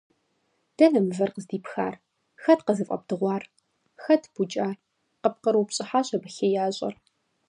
- Дэнэ мывэр къыздипхар? Хэт къызыфӀэбдыгъуар? Хэт букӀар? - къыпкърыупщӀыхьащ абы хеящӀэр.